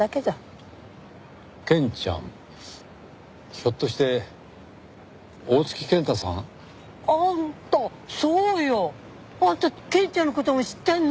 ひょっとして大槻健太さん？あんたそうよ！あんたケンちゃんの事も知ってんの？